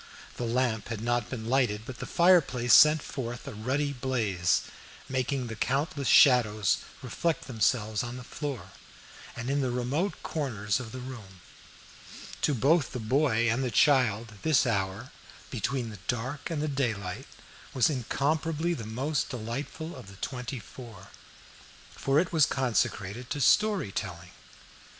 The lamp had not been lighted, but the fireplace sent forth a ruddy blaze, making the countless shadows reflect themselves on the floor, and in the remote corners of the room. To both the mother and the child, this hour, "between the dark and the daylight" was incomparably the most delightful of the twenty four, for it was consecrated to story telling.